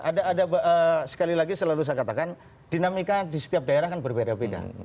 ada ada sekali lagi selalu saya katakan dinamika di setiap daerah kan berbeda beda